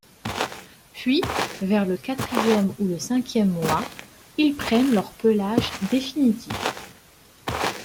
Puis, vers le quatrième ou le cinquième mois, ils prennent leur pelage définitif.